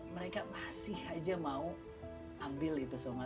mereka masih aja mau ambil itu semua